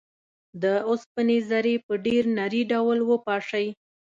د اوسپنې ذرې په ډیر نري ډول وپاشئ.